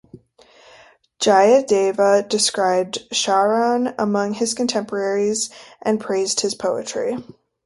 Jayadeva described Sharan among his contemporaries and praised his poetry.